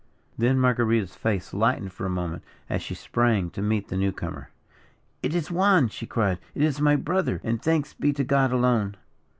Then Marguerita's face lightened for a moment as she sprang to meet the new comer. "It is Juan!" she cried, "it is my brother, and thanks be to God, alone!"